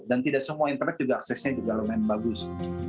tidak semua internet juga aksesnya juga lumayan bagus